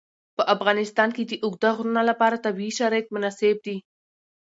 په افغانستان کې د اوږده غرونه لپاره طبیعي شرایط مناسب دي.